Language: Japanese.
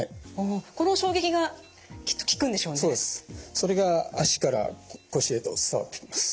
それが脚から腰へと伝わってきます。